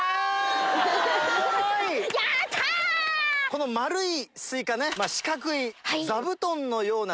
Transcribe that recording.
この丸いスイカね四角い。